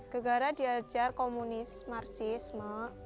kegara diajar komunis marsisme